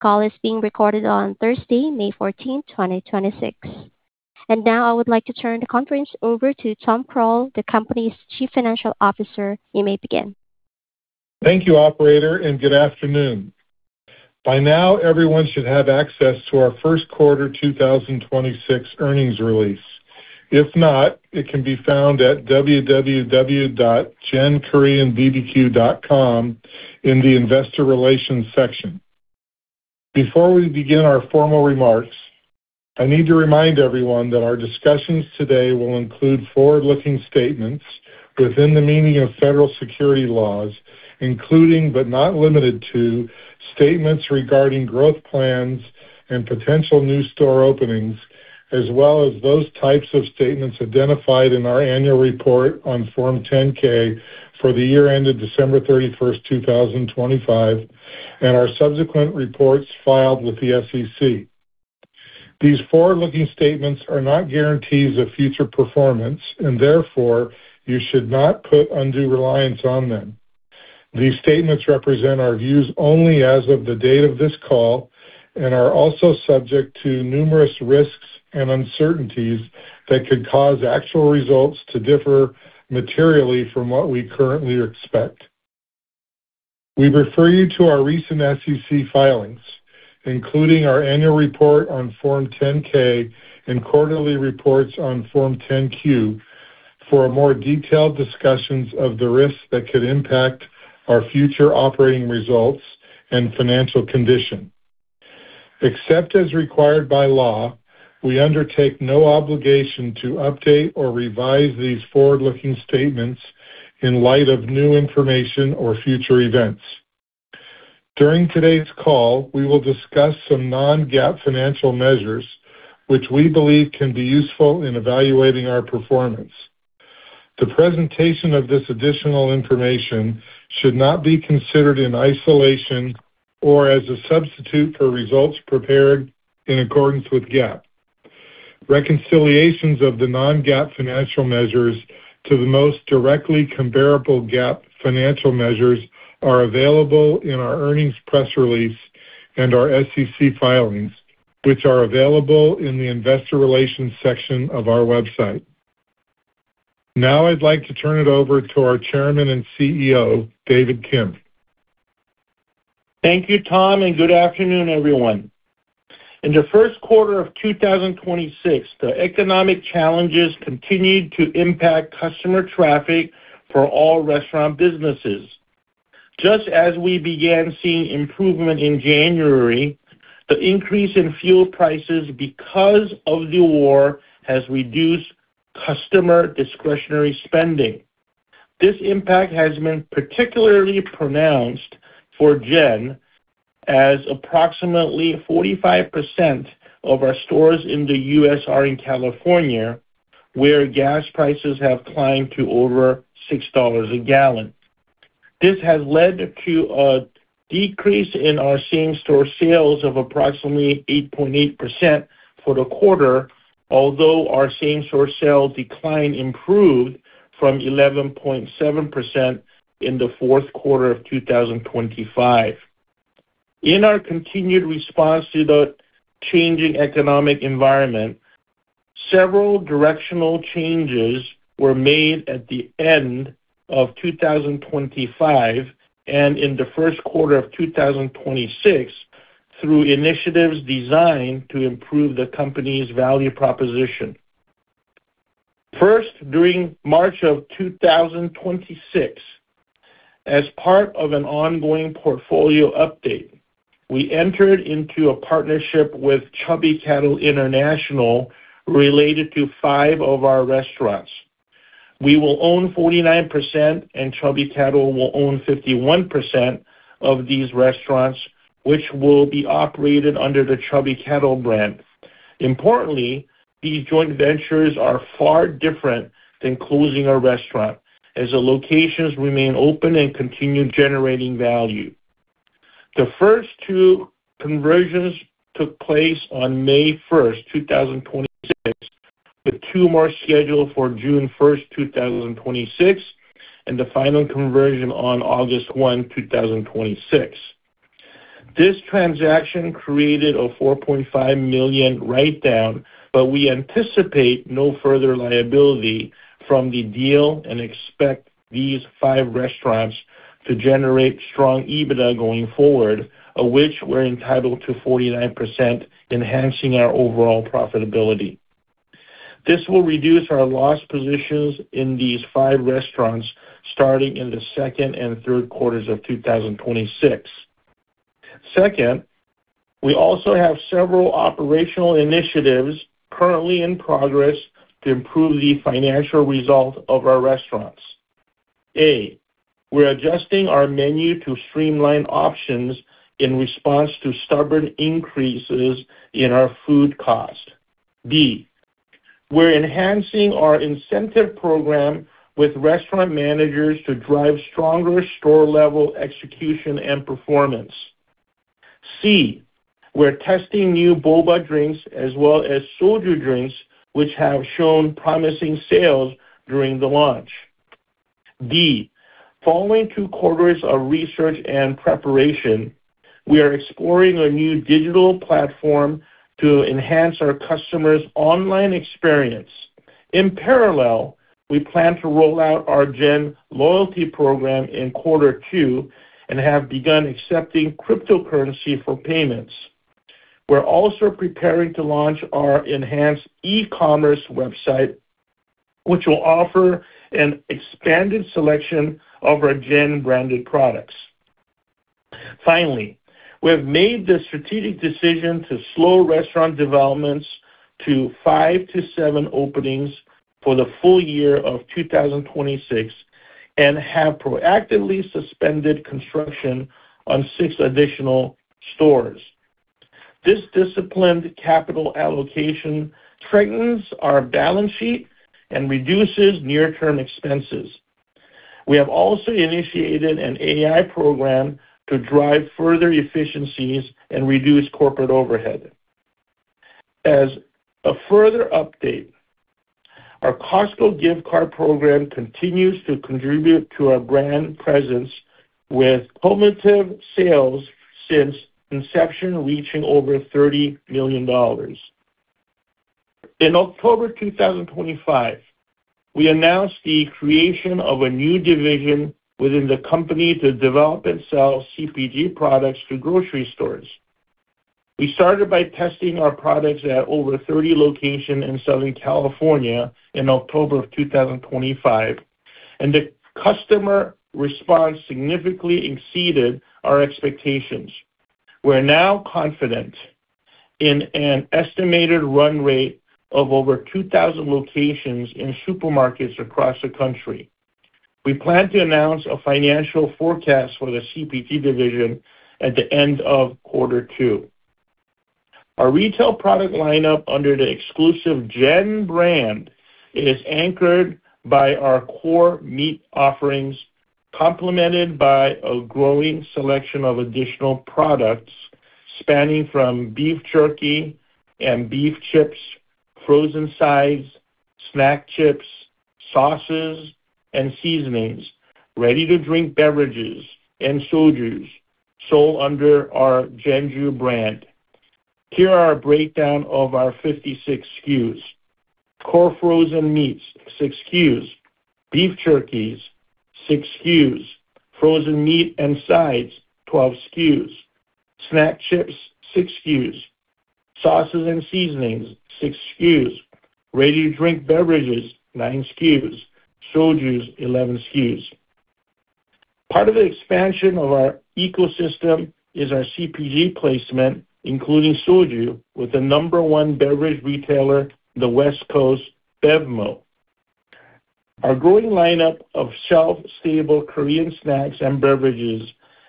Call is being recorded on Thursday, May 14th, 2026. Now I would like to turn the conference over to Tom Croal, the company's Chief Financial Officer. You may begin. Thank you, operator, and good afternoon. By now, everyone should have access to our first quarter 2026 earnings release. If not, it can be found at www.genKoreanbbq.com in the Investor Relations section. Before we begin our formal remarks, I need to remind everyone that our discussions today will include forward-looking statements within the meaning of federal security laws, including, but not limited to, statements regarding growth plans and potential new store openings, as well as those types of statements identified in our annual report on Form 10-K for the year ended December 31st, 2025, and our subsequent reports filed with the SEC. These forward-looking statements are not guarantees of future performance, and therefore, you should not put undue reliance on them. These statements represent our views only as of the date of this call and are also subject to numerous risks and uncertainties that could cause actual results to differ materially from what we currently expect. We refer you to our recent SEC filings, including our annual report on Form 10-K and quarterly reports on Form 10-Q for a more detailed discussions of the risks that could impact our future operating results and financial condition. Except as required by law, we undertake no obligation to update or revise these forward-looking statements in light of new information or future events. During today's call, we will discuss some non-GAAP financial measures which we believe can be useful in evaluating our performance. The presentation of this additional information should not be considered in isolation or as a substitute for results prepared in accordance with GAAP. Reconciliations of the non-GAAP financial measures to the most directly comparable GAAP financial measures are available in our earnings press release and our SEC filings, which are available in the Investor Relations section of our website. Now, I'd like to turn it over to our Chairman and CEO, David Kim. Thank you, Tom. Good afternoon, everyone. In the first quarter of 2026, the economic challenges continued to impact customer traffic for all restaurant businesses. Just as we began seeing improvement in January, the increase in fuel prices because of the war has reduced customer discretionary spending. This impact has been particularly pronounced for GEN as approximately 45% of our stores in the U.S. are in California, where gas prices have climbed to over $6 a gallon. This has led to a decrease in our same-store sales of approximately 8.8% for the quarter, although our same-store sales decline improved from 11.7% in the fourth quarter of 2025. In our continued response to the changing economic environment, several directional changes were made at the end of 2025 and in the first quarter of 2026 through initiatives designed to improve the company's value proposition. First, during March of 2026, as part of an ongoing portfolio update, we entered into a partnership with Chubby Cattle International related to five of our restaurants. We will own 49%, and Chubby Cattle will own 51% of these restaurants, which will be operated under the Chubby Cattle brand. Importantly, these joint ventures are far different than closing a restaurant as the locations remain open and continue generating value. The first two conversions took place on May 1st, 2026, with two more scheduled for June 1st, 2026, and the final conversion on August 1, 2026. This transaction created a $4.5 million write-down. We anticipate no further liability from the deal and expect these five restaurants to generate strong EBITDA going forward, of which we're entitled to 49%, enhancing our overall profitability. This will reduce our loss positions in these five restaurants starting in the second and third quarters of 2026. Second, we also have several operational initiatives currently in progress to improve the financial results of our restaurants. A. We're adjusting our menu to streamline options in response to stubborn increases in our food cost. B. We're enhancing our incentive program with restaurant managers to drive stronger store-level execution and performance. C, we're testing new boba drinks as well as soju drinks, which have shown promising sales during the launch. D, following two quarters of research and preparation, we are exploring a new digital platform to enhance our customers' online experience. In parallel, we plan to roll out our GEN loyalty program in quarter two and have begun accepting cryptocurrency for payments. We're also preparing to launch our enhanced e-commerce website, which will offer an expanded selection of our GEN branded products. Finally, we have made the strategic decision to slow restaurant developments to five to seven openings for the full year of 2026 and have proactively suspended construction on six additional stores. This disciplined capital allocation strengthens our balance sheet and reduces near-term expenses. We have also initiated an AI program to drive further efficiencies and reduce corporate overhead. As a further update, our Costco gift card program continues to contribute to our brand presence with cumulative sales since inception reaching over $30 million. In October 2025, we announced the creation of a new division within the company to develop and sell CPG products to grocery stores. We started by testing our products at over 30 locations in Southern California in October 2025, and the customer response significantly exceeded our expectations. We're now confident in an estimated run rate of over 2,000 locations in supermarkets across the country. We plan to announce a financial forecast for the CPG division at the end of quarter two. Our retail product lineup under the exclusive GEN brand is anchored by our core meat offerings, complemented by a growing selection of additional products spanning from beef jerky and beef chips, frozen sides, snack chips, sauces and seasonings, ready-to-drink beverages, and sojus sold under our GENJU brand. Here are a breakdown of our 56 SKUs: core frozen meats, six SKUs; beef jerkies, six SKUs; frozen meat and sides, 12 SKUs; snack chips, six SKUs; sauces and seasonings, six SKUs; ready-to-drink beverages, nine SKUs; sojus, 11 SKUs. Part of the expansion of our ecosystem is our CPG placement, including soju, with the number one beverage retailer on the West Coast, BevMo!. Our growing lineup of shelf-stable Korean snacks and beverages,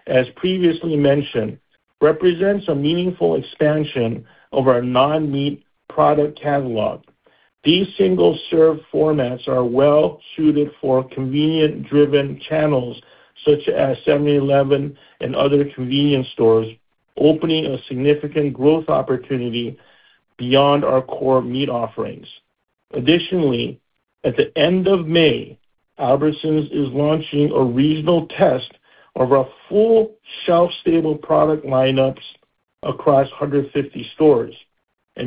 as previously mentioned, represents a meaningful expansion of our non-meat product catalog. These single-serve formats are well-suited for convenience-driven channels such as 7-Eleven and other convenience stores, opening a significant growth opportunity beyond our core meat offerings. Additionally, at the end of May, Albertsons is launching a regional test of our full shelf-stable product lineups across 150 stores.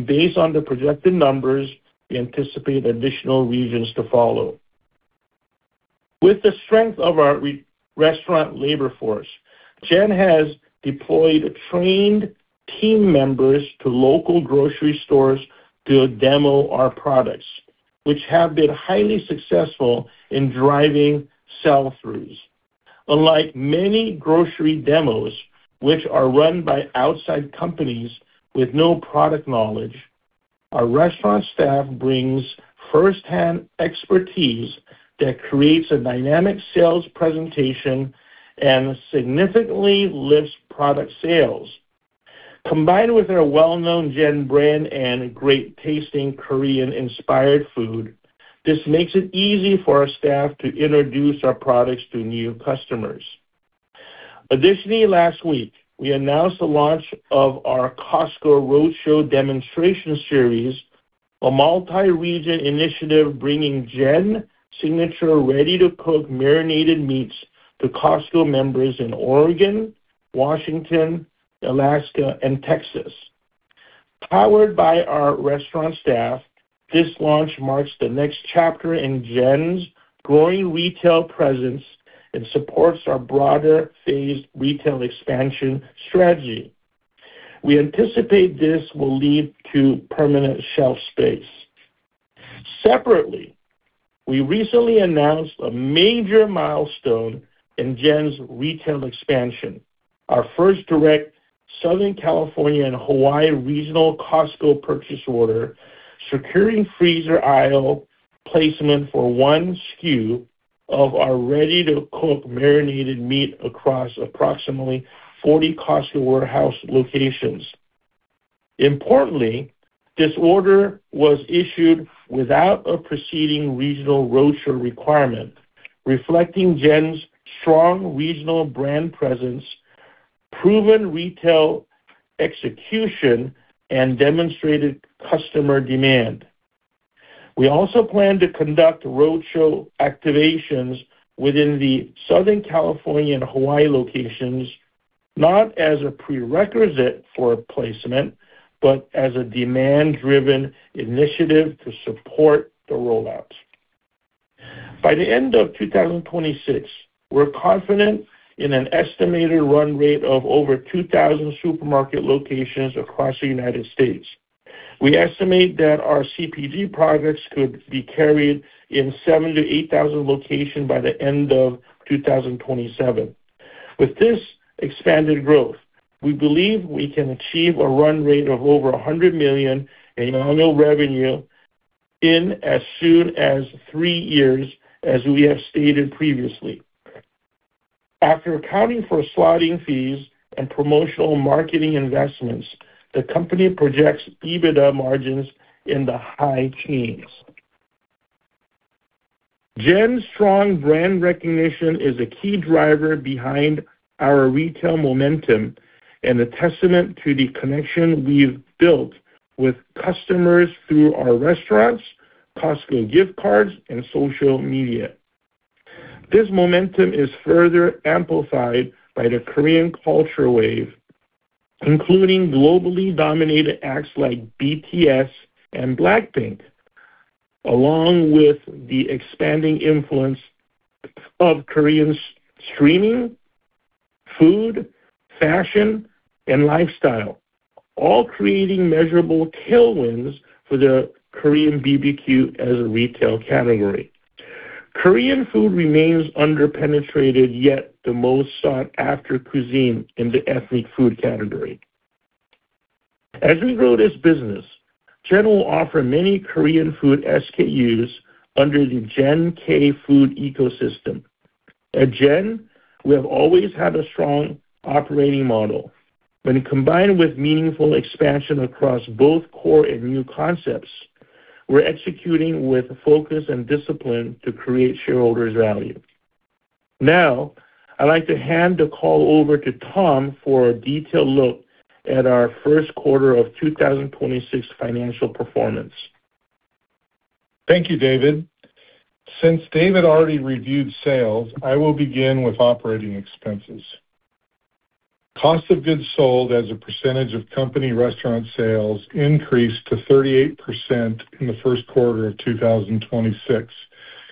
Based on the projected numbers, we anticipate additional regions to follow. With the strength of our restaurant labor force, GEN has deployed trained team members to local grocery stores to demo our products, which have been highly successful in driving sell-throughs. Unlike many grocery demos, which are run by outside companies with no product knowledge, our restaurant staff brings firsthand expertise that creates a dynamic sales presentation and significantly lifts product sales. Combined with our well-known GEN brand and great-tasting Korean-inspired food, this makes it easy for our staff to introduce our products to new customers. Additionally, last week, we announced the launch of our Costco Roadshow demonstration series, a multi-region initiative bringing GEN signature ready-to-cook marinated meats to Costco members in Oregon, Washington, Alaska, and Texas. Powered by our restaurant staff, this launch marks the next chapter in GEN's growing retail presence and supports our broader phased retail expansion strategy. We anticipate this will lead to permanent shelf space. Separately, we recently announced a major milestone in GEN's retail expansion, our first direct Southern California and Hawaii regional Costco purchase order, securing freezer aisle placement for one SKU of our ready-to-cook marinated meat across approximately 40 Costco warehouse locations. Importantly, this order was issued without a preceding regional roadshow requirement, reflecting GEN's strong regional brand presence, proven retail execution, and demonstrated customer demand. We also plan to conduct roadshow activations within the Southern California and Hawaii locations, not as a prerequisite for placement, but as a demand-driven initiative to support the rollouts. By the end of 2026, we're confident in an estimated run rate of over 2,000 supermarket locations across the United States. We estimate that our CPG products could be carried in 7,000-8,000 locations by the end of 2027. With this expanded growth, we believe we can achieve a run rate of over $100 million in annual revenue in as soon as three years, as we have stated previously. After accounting for slotting fees and promotional marketing investments, the company projects EBITDA margins in the high teens. GEN's strong brand recognition is a key driver behind our retail momentum and a testament to the connection we've built with customers through our restaurants, Costco gift cards, and social media. This momentum is further amplified by the Korean culture wave, including globally dominated acts like BTS and BLACKPINK, along with the expanding influence of Korean streaming, food, fashion, and lifestyle, all creating measurable tailwinds for the Korean BBQ as a retail category. Korean food remains under-penetrated, yet the most sought-after cuisine in the ethnic food category. As we grow this business, GEN will offer many Korean food SKUs under the GEN K-Food ecosystem. At GEN, we have always had a strong operating model. When combined with meaningful expansion across both core and new concepts, we're executing with focus and discipline to create shareholders value. Now, I'd like to hand the call over to Tom for a detailed look at our first quarter of 2026 financial performance. Thank you, David. Since David already reviewed sales, I will begin with operating expenses. Cost of goods sold as a percentage of company restaurant sales increased to 38% in the first quarter of 2026,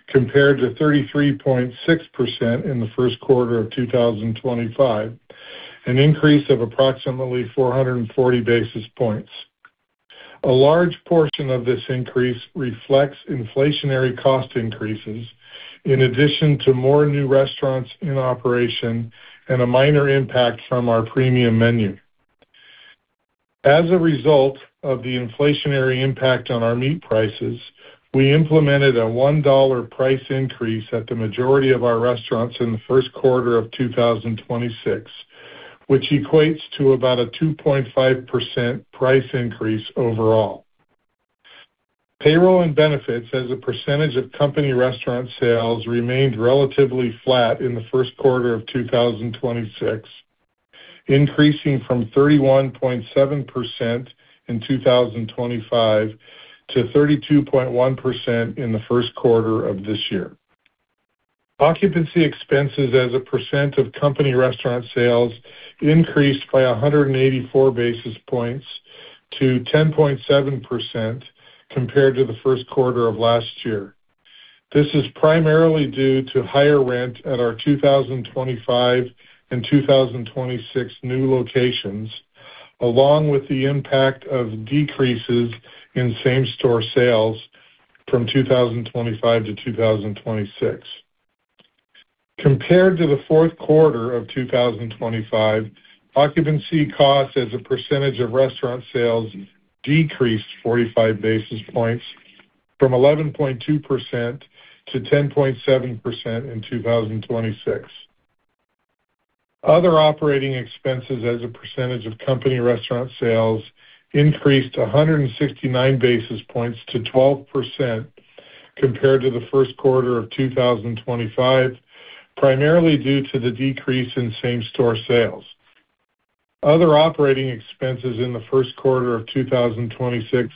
compared to 33.6% in the first quarter of 2025, an increase of approximately 440 basis points. A large portion of this increase reflects inflationary cost increases in addition to more new restaurants in operation and a minor impact from our premium menu. As a result of the inflationary impact on our meat prices, we implemented a $1 price increase at the majority of our restaurants in the first quarter of 2026, which equates to about a 2.5% price increase overall. Payroll and benefits as a percentage of company restaurant sales remained relatively flat in the first quarter of 2026, increasing from 31.7% in 2025 to 32.1% in the first quarter of this year. Occupancy expenses as a percent of company restaurant sales increased by 184 basis points to 10.7% compared to the first quarter of last year. This is primarily due to higher rent at our 2025 and 2026 new locations, along with the impact of decreases in same-store sales from 2025 to 2026. Compared to the fourth quarter of 2025, occupancy costs as a percentage of restaurant sales decreased 45 basis points from 11.2% to 10.7% in 2026. Other operating expenses as a percentage of company restaurant sales increased 169 basis points to 12% compared to the first quarter of 2025, primarily due to the decrease in same-store sales. Other operating expenses in the first quarter of 2026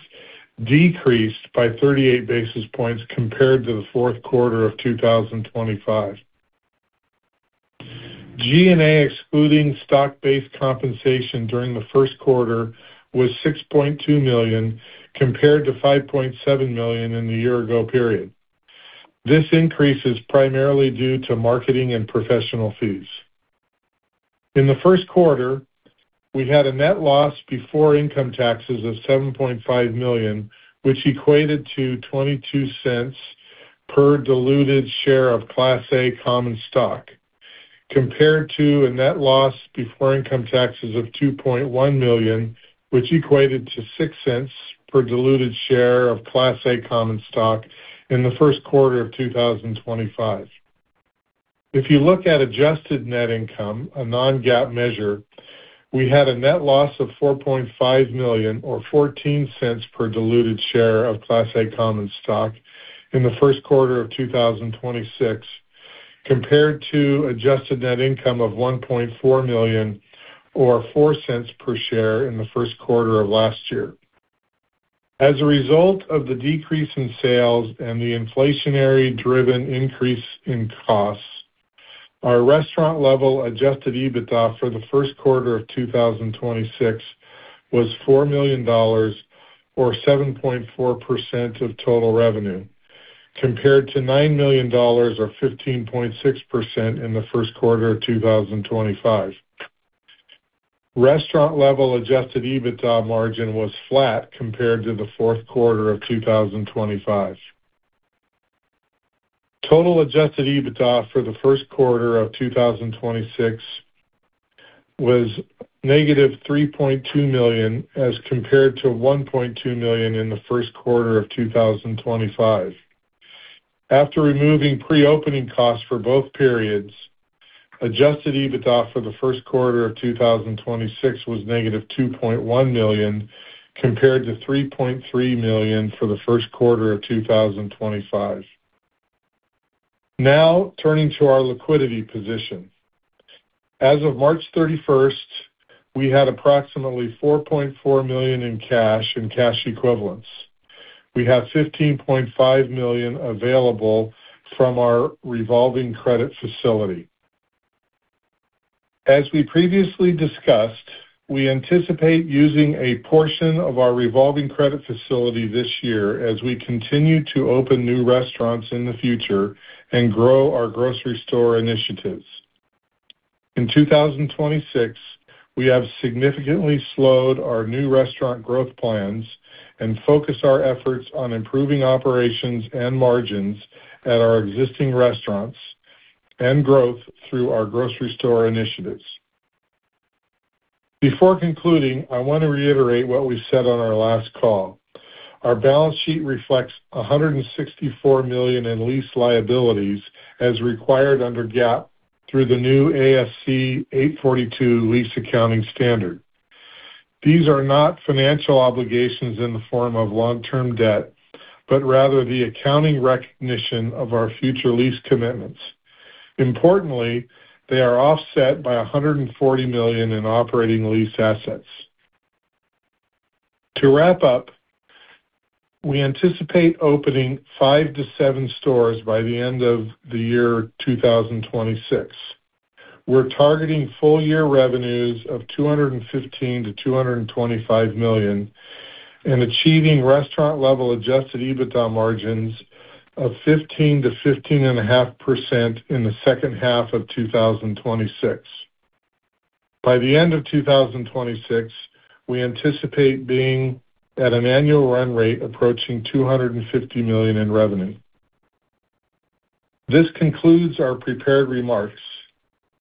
decreased by 38 basis points compared to the fourth quarter of 2025. G&A excluding stock-based compensation during the first quarter was $6.2 million compared to $5.7 million in the year ago period. This increase is primarily due to marketing and professional fees. In the first quarter, we had a net loss before income taxes of $7.5 million, which equated to $0.22 per diluted share of Class A common stock, compared to a net loss before income taxes of $2.1 million, which equated to $0.06 per diluted share of Class A common stock in the first quarter of 2025. If you look at adjusted net income, a non-GAAP measure. We had a net loss of $4.5 million or $0.14 per diluted share of Class A common stock in the first quarter of 2026, compared to adjusted net income of $1.4 million or $0.04 per share in the first quarter of last year. As a result of the decrease in sales and the inflationary driven increase in costs, our restaurant level adjusted EBITDA for the first quarter of 2026 was $4 million or 7.4% of total revenue, compared to $9 million or 15.6% in the first quarter of 2025. Restaurant level adjusted EBITDA margin was flat compared to the fourth quarter of 2025. Total adjusted EBITDA for the first quarter of 2026 was -$3.2 million, as compared to $1.2 million in the first quarter of 2025. After removing pre-opening costs for both periods, adjusted EBITDA for the first quarter of 2026 was -$2.1 million, compared to $3.3 million for the first quarter of 2025. Now, turning to our liquidity position. As of March 31st, we had approximately $4.4 million in cash and cash equivalents. We have $15.5 million available from our revolving credit facility. As we previously discussed, we anticipate using a portion of our revolving credit facility this year as we continue to open new restaurants in the future and grow our grocery store initiatives. In 2026, we have significantly slowed our new restaurant growth plans and focus our efforts on improving operations and margins at our existing restaurants and growth through our grocery store initiatives. Before concluding, I want to reiterate what we said on our last call. Our balance sheet reflects $164 million in lease liabilities as required under GAAP through the new ASC 842 lease accounting standard. These are not financial obligations in the form of long-term debt, but rather the accounting recognition of our future lease commitments. Importantly, they are offset by $140 million in operating lease assets. To wrap up, we anticipate opening five to seven stores by the end of 2026. We're targeting full year revenues of $215 million-$225 million and achieving restaurant level adjusted EBITDA margins of 15%-15.5% in the second half of 2026. By the end of 2026, we anticipate being at an annual run rate approaching $250 million in revenue. This concludes our prepared remarks.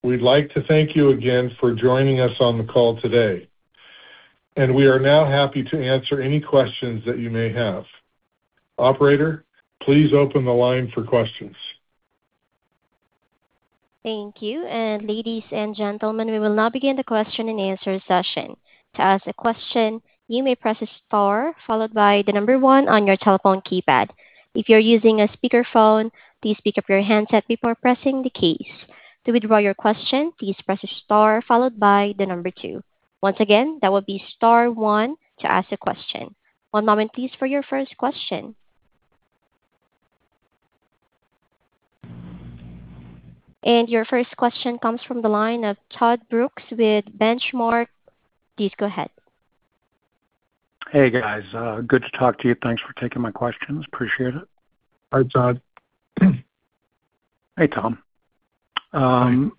We'd like to thank you again for joining us on the call today, and we are now happy to answer any questions that you may have. Operator, please open the line for questions. Thank you. Ladies and gentlemen, we will now begin the question and answer session. To ask a question, you may press star followed by the number one on your telephone keypad. If you're using a speakerphone, please pick up your handset before pressing the keys. To withdraw your question, please press star followed by the number two. Once again, that will be star one to ask a question. One moment, please, for your first question. Your first question comes from the line of Todd Brooks with Benchmark. Please go ahead. Hey, guys. good to talk to you. Thanks for taking my questions. Appreciate it. Hi, Todd. Hey, Tom. Tom,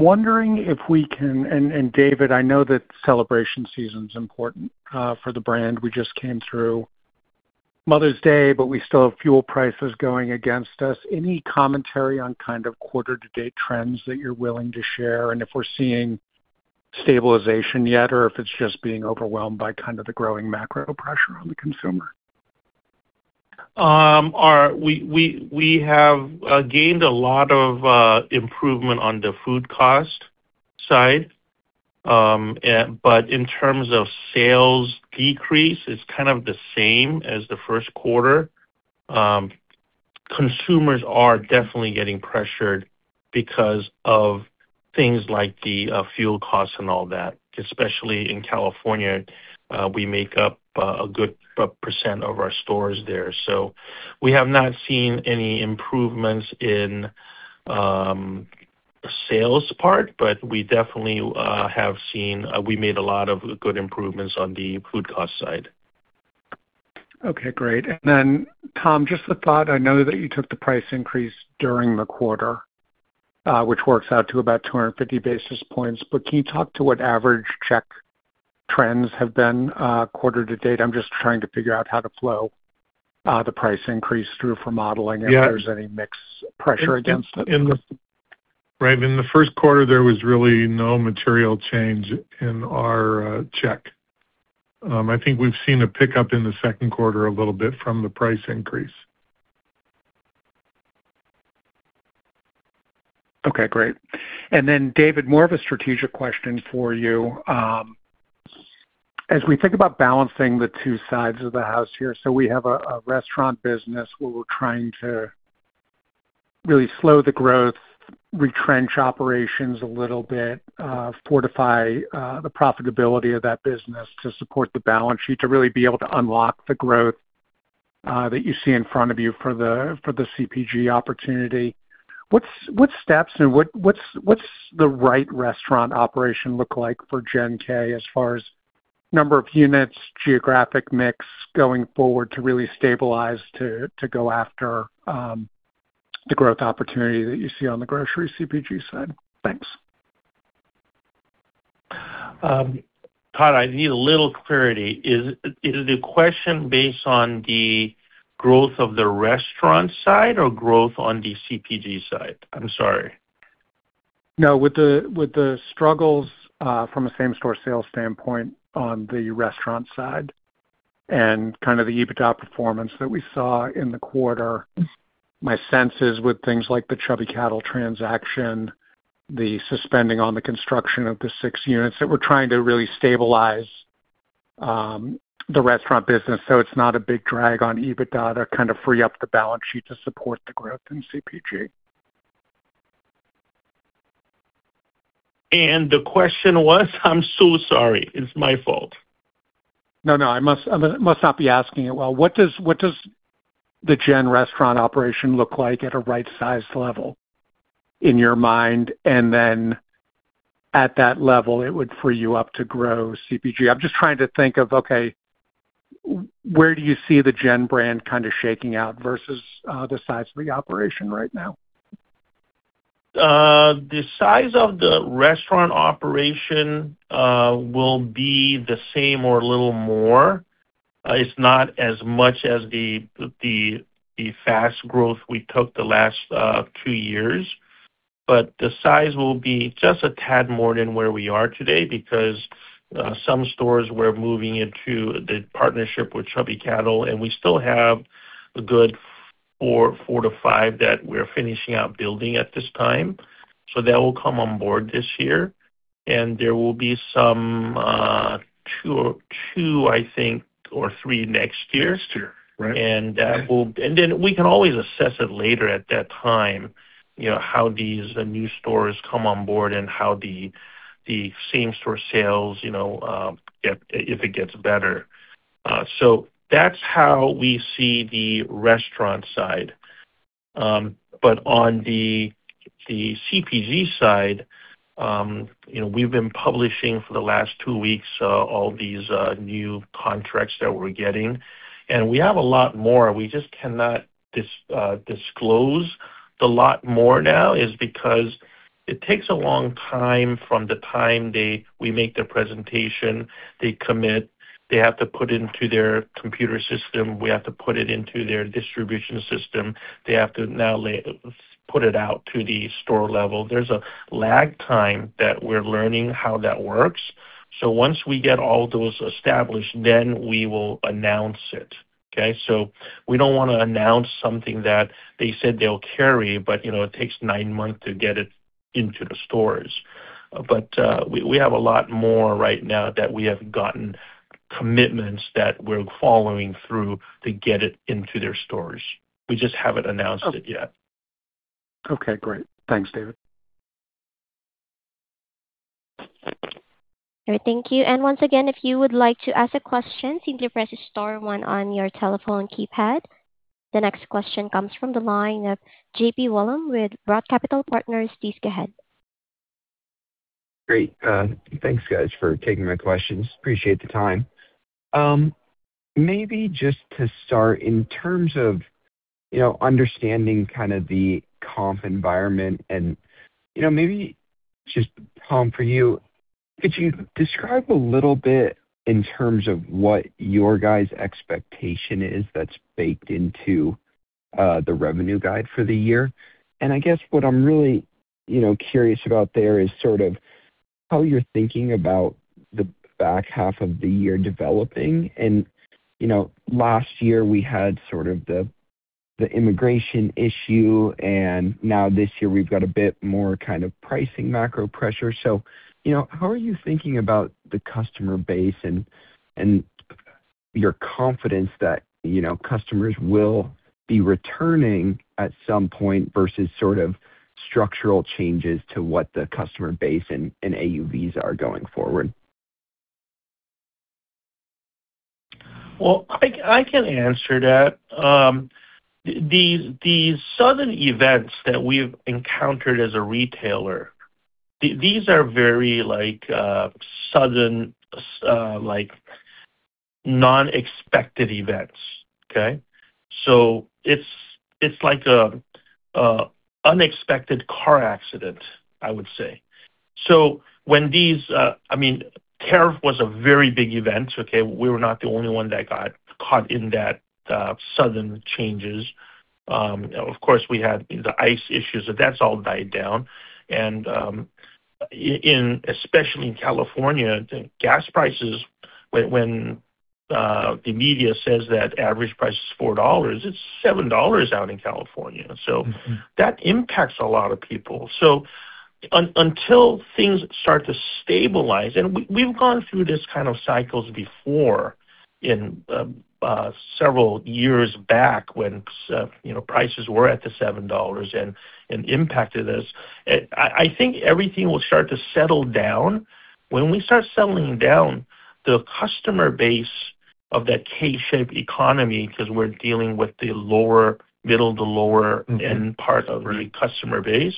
wondering if we can, and David, I know that celebration season's important for the brand. We just came through Mother's Day. We still have fuel prices going against us. Any commentary on kind of quarter to date trends that you're willing to share, and if we're seeing stabilization yet, or if it's just being overwhelmed by kind of the growing macro pressure on the consumer? We have gained a lot of improvement on the food cost side. In terms of sales decrease, it's kind of the same as the first quarter. Consumers are definitely getting pressured because of things like the fuel costs and all that, especially in California. We make up a good percent of our stores there. We have not seen any improvements in sales part, but we definitely have seen we made a lot of good improvements on the food cost side. Okay, great. Tom, just the thought, I know that you took the price increase during the quarter, which works out to about 250 basis points, but can you talk to what average check trends have been, quarter to date? I'm just trying to figure out how to flow, the price increase through for modeling. Yeah. If there's any mix pressure against it. Right. In the first quarter, there was really no material change in our check. I think we've seen a pickup in the second quarter a little bit from the price increase. Okay, great. Then David, more of a strategic question for you. As we think about balancing the two sides of the house here, so we have a restaurant business where we're trying to really slow the growth, retrench operations a little bit, fortify the profitability of that business to support the balance sheet to really be able to unlock the growth that you see in front of you for the CPG opportunity. What steps and what's the right restaurant operation look like for GEN K as far as number of units, geographic mix going forward to really stabilize to go after the growth opportunity that you see on the grocery CPG side? Thanks. Todd, I need a little clarity. Is the question based on the growth of the restaurant side or growth on the CPG side? I'm sorry. No. With the struggles, from a same-store sales standpoint on the restaurant side and kind of the EBITDA performance that we saw in the quarter, my sense is with things like the Chubby Cattle transaction, the suspending on the construction of the six units, that we're trying to really stabilize the restaurant business so it's not a big drag on EBITDA to kind of free up the balance sheet to support the growth in CPG. The question was? I'm so sorry. It's my fault. No, no. I must not be asking it well. What does the GEN Restaurant operation look like at a right size level in your mind? Then at that level it would free you up to grow CPG. I'm just trying to think of, okay, where do you see the GEN brand kind of shaking out versus the size of the operation right now? The size of the restaurant operation will be the same or a little more. It's not as much as the fast growth we took the last two years. The size will be just a tad more than where we are today because some stores we're moving into the partnership with Chubby Cattle, and we still have a good four to five that we're finishing up building at this time. That will come on board this year. There will be some two, I think, or three next year. Next year. Right. Okay. We can always assess it later at that time, you know, how these new stores come on board and how the same-store sales, if it gets better. That's how we see the restaurant side. On the CPG side, you know, we've been publishing for the last two weeks, all these new contracts that we're getting. We have a lot more. We just cannot disclose the lot more now is because it takes a long time from the time we make the presentation, they commit, they have to put into their computer system, we have to put it into their distribution system. They have to now put it out to the store level. There's a lag time that we're learning how that works. Once we get all those established, then we will announce it. Okay? We don't wanna announce something that they said they'll carry, but, you know, it takes nine months to get it into the stores. We have a lot more right now that we have gotten commitments that we're following through to get it into their stores. We just haven't announced it yet. Okay, great. Thanks, David. All right. Thank you. Once again, if you would like to ask a question, simply press star one on your telephone keypad. The next question comes from the line of JP Wollam with ROTH Capital Partners. Please go ahead. Great. Thanks, guys, for taking my questions. Appreciate the time. Maybe just to start, in terms of, you know, understanding kind of the comp environment and, you know, maybe just, Tom, for you, could you describe a little bit in terms of what your guys' expectation is that's baked into the revenue guide for the year? I guess what I'm really, you know, curious about there is sort of how you're thinking about the back half of the year developing. You know, last year we had sort of the immigration issue, and now this year we've got a bit more kind of pricing macro pressure. You know, how are you thinking about the customer base and your confidence that, you know, customers will be returning at some point versus sort of structural changes to what the customer base and AUVs are going forward? Well, I can answer that. The, these sudden events that we've encountered as a retailer, these are very like sudden non-expected events. It's like an unexpected car accident, I would say. When these, I mean, tariff was a very big event. We were not the only one that got caught in that sudden changes. Of course, we had the ICE issues, that's all died down. Especially in California, the gas prices, when the media says that average price is $4, it's $7 out in California. That impacts a lot of people. until things start to stabilize we've gone through this kind of cycles before in several years back when, you know, prices were at the $7 and impacted us. I think everything will start to settle down. When we start settling down, the customer base of that K-shaped economy, cause we're dealing with the lower, middle to lower end part of the customer base,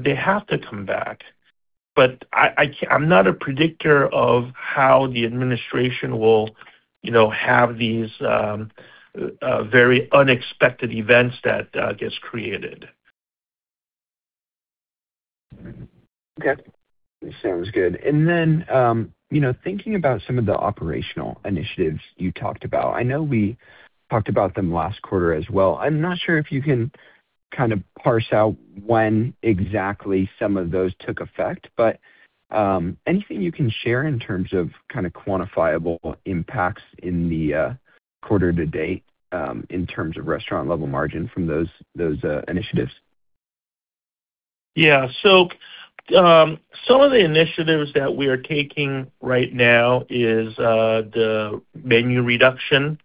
they have to come back. I'm not a predictor of how the administration will, you know, have these very unexpected events that gets created. Okay. Sounds good. You know, thinking about some of the operational initiatives you talked about, I know we talked about them last quarter as well. I'm not sure if you can kind of parse out when exactly some of those took effect. Anything you can share in terms of kinda quantifiable impacts in the quarter to date, in terms of restaurant-level margin from those initiatives? Some of the initiatives that we are taking right now is the menu reduction,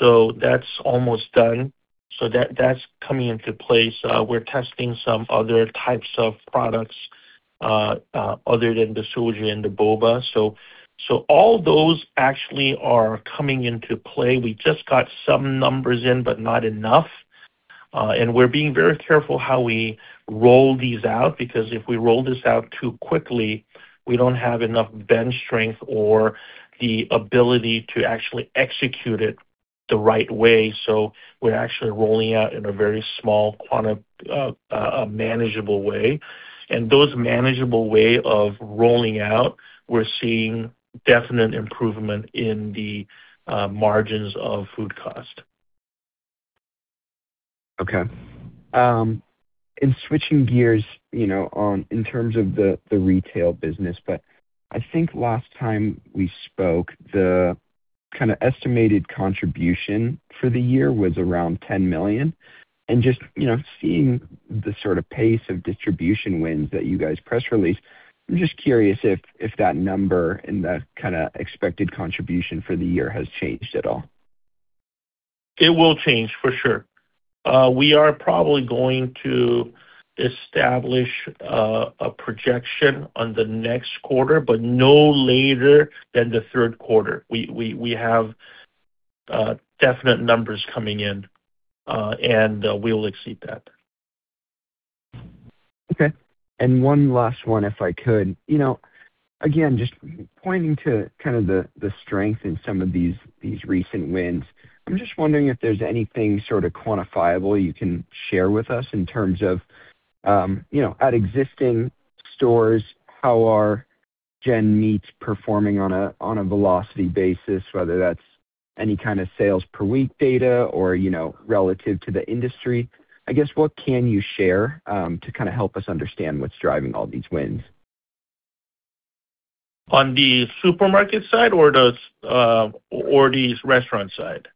that's almost done. That's coming into place. We're testing some other types of products other than the soju and the boba. All those actually are coming into play. We just got some numbers in, but not enough. We're being very careful how we roll these out because if we roll this out too quickly, we don't have enough bench strength or the ability to actually execute it the right way. We're actually rolling out in a very small manageable way. Those manageable way of rolling out, we're seeing definite improvement in the margins of food cost. Okay. Switching gears, you know, in terms of the retail business, but I think last time we spoke, the kinda estimated contribution for the year was around $10 million. Just, you know, seeing the sort of pace of distribution wins that you guys press released, I'm just curious if that number and the kinda expected contribution for the year has changed at all. It will change for sure. We are probably going to establish a projection on the next quarter, but no later than the third quarter. We have definite numbers coming in, and we'll exceed that. Okay. One last one, if I could. You know, again, just pointing to kind of the strength in some of these recent wins. I'm just wondering if there's anything sorta quantifiable you can share with us in terms of, you know, at existing stores, how are GEN meats performing on a, on a velocity basis, whether that's any kinda sales per week data or, you know, relative to the industry. I guess, what can you share, to kinda help us understand what's driving all these wins? On the supermarket side or the or the restaurant side?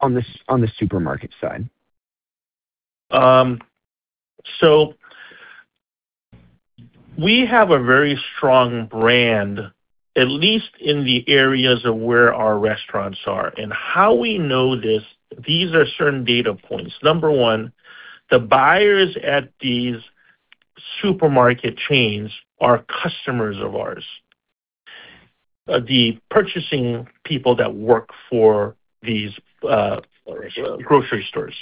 On the supermarket side. We have a very strong brand, at least in the areas of where our restaurants are. How we know this, these are certain data points. Number one, the buyers at these supermarket chains are customers of ours, the purchasing people that work for these grocery stores.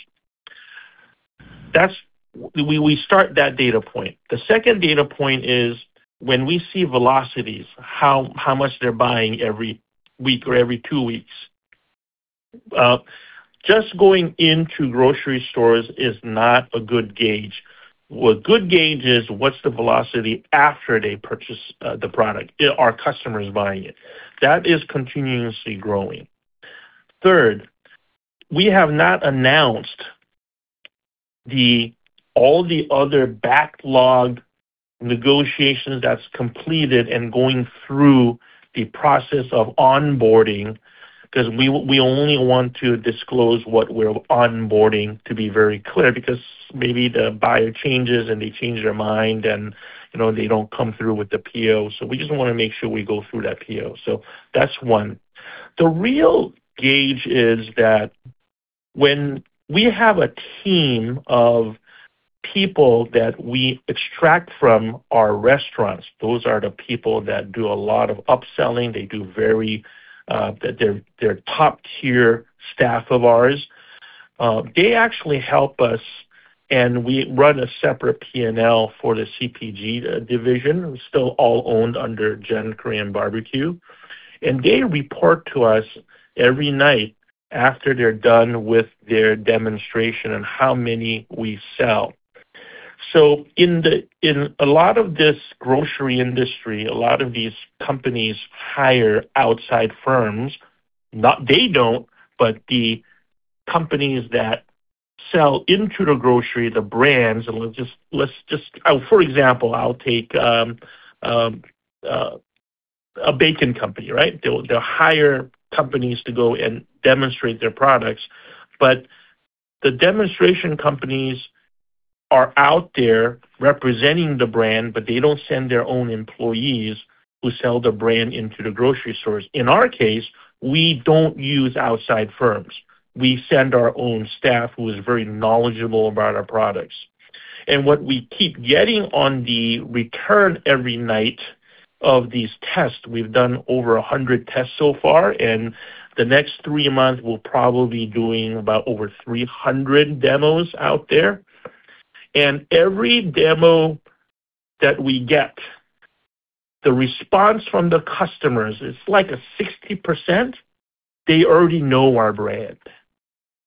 We start that data point. The second data point is when we see velocities, how much they're buying every week or every two weeks. Just going into grocery stores is not a good gauge. What good gauge is what's the velocity after they purchase the product? Are customers buying it? That is continuously growing. Third, we have not announced all the other backlog negotiations that's completed and going through the process of onboarding, because we only want to disclose what we're onboarding to be very clear because maybe the buyer changes and they change their mind and, you know, they don't come through with the PO. We just want to make sure we go through that PO. That's one. The real gauge is that when we have a team of people that we extract from our restaurants, those are the people that do a lot of upselling. They're top-tier staff of ours. They actually help us, and we run a separate P&L for the CPG division. It's still all owned under GEN Korean BBQ. They report to us every night after they're done with their demonstration and how many we sell. In a lot of this grocery industry, a lot of these companies hire outside firms. But the companies that sell into the grocery, the brands, and let's just, for example, I'll take a bacon company, right? They'll hire companies to go and demonstrate their products, but the demonstration companies are out there representing the brand, but they don't send their own employees who sell the brand into the grocery stores. In our case, we don't use outside firms. We send our own staff who is very knowledgeable about our products. What we keep getting on the return every night of these tests, we've done over 100 tests so far, and the next three months we'll probably be doing about over 300 demos out there. Every demo that we get, the response from the customers, it's like a 60%, they already know our brand.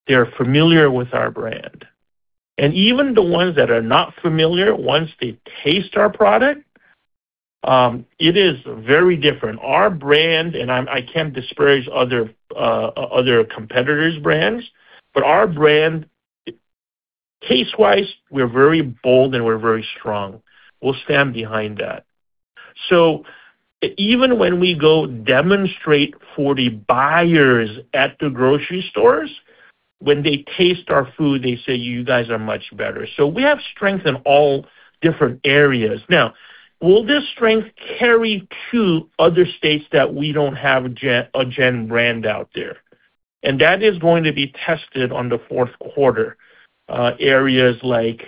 They're familiar with our brand. Even the ones that are not familiar, once they taste our product, it is very different. Our brand, I can't disparage other competitors' brands, our brand, taste-wise, we're very bold and we're very strong. We'll stand behind that. Even when we go demonstrate for the buyers at the grocery stores, when they taste our food, they say, you guys are much better. We have strength in all different areas. Now, will this strength carry to other states that we don't have a GEN, a GEN brand out there? That is going to be tested on the fourth quarter. Areas like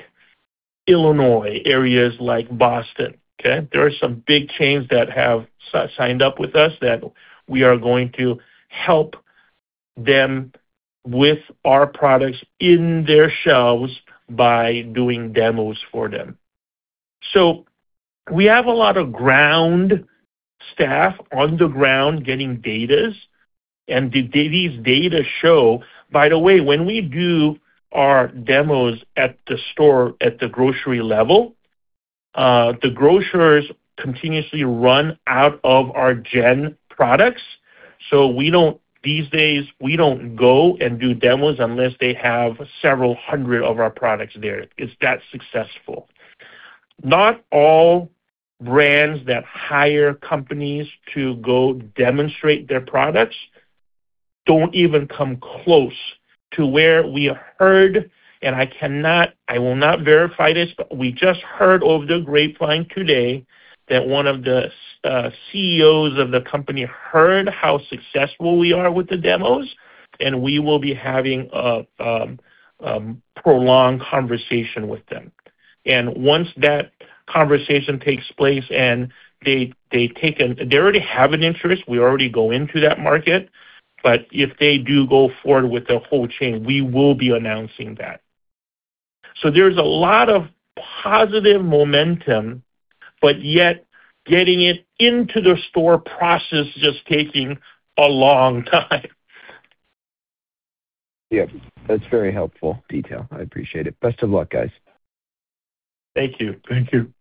Illinois, areas like Boston, okay? There are some big chains that have signed up with us that we are going to help them with our products in their shelves by doing demos for them. We have a lot of ground staff on the ground getting data, and these data show. By the way, when we do our demos at the store, at the grocery level, the grocers continuously run out of our GEN products. These days, we don't go and do demos unless they have several 100 of our products there. It's that successful. Not all brands that hire companies to go demonstrate their products don't even come close to where we heard, and I cannot, I will not verify this, but we just heard over the grapevine today that one of the CEOs of the company heard how successful we are with the demos, and we will be having a prolonged conversation with them. Once that conversation takes place, they already have an interest. We already go into that market. If they do go forward with the whole chain, we will be announcing that. There's a lot of positive momentum, but yet getting it into the store process just taking a long time. Yeah. That's very helpful detail. I appreciate it. Best of luck, guys. Thank you. Thank you.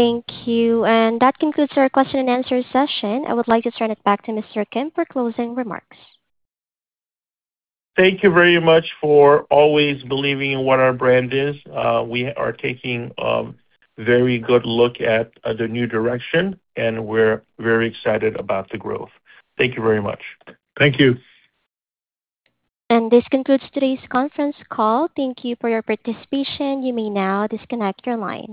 Thank you. That concludes our question and answer session. I would like to turn it back to Mr. Kim for closing remarks. Thank you very much for always believing in what our brand is. We are taking very good look at the new direction, and we're very excited about the growth. Thank you very much. Thank you. This concludes today's conference call. Thank you for your participation. You may now disconnect your line.